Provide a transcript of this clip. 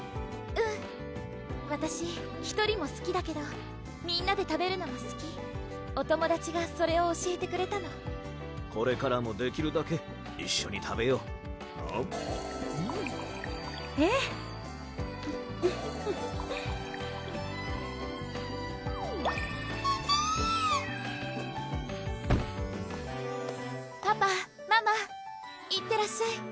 うんわたし１人もすきだけどみんなで食べるのもすきお友達がそれを教えてくれたのこれからもできるだけ一緒に食べようええピピーパパママいってらっしゃい